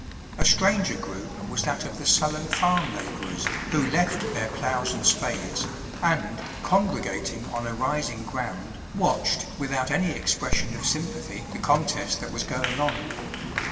A stranger group was that of the sullen farm laborers, who left their ploughs and spades, and, congregating on a rising ground, watched without any expression of sympathy the contest that was going on.